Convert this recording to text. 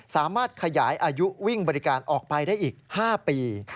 สามารถขยายอายุวิ่งบริการออกไปได้อีก๕ปี